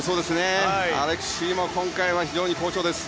アレクシーも今回は非常に好調です。